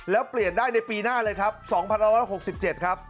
แล้วเปลี่ยนได้ในปีหน้าเลยครับ๒๑๖๗ครับ